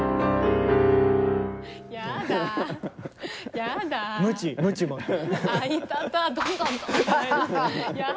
やだ。